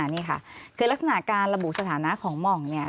นี่ค่ะคือลักษณะการระบุสถานะของหม่องเนี่ย